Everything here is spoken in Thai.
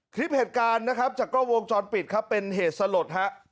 คลิปเหตุการณ์นะครับจากกล้องวงจรปิดครับเป็นเหตุสลดฮะ